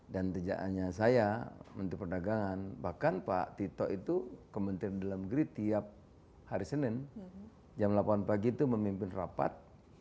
dan tejaannya saya menteri perdagangan bahkan pak tito itu kementerian dalam negeri tiap hari senin jam delapan pagi itu memimpin rapat